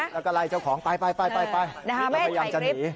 แล้วก็ไรเจ้าของไปพยายามจะหนี